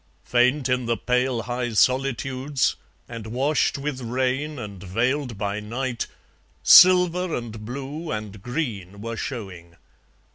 Faint in the pale high solitudes, And washed with rain and veiled by night, Silver and blue and green were showing.